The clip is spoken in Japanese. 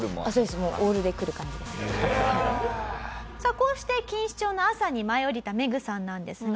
こうして錦糸町の朝に舞い降りたメグさんなんですが。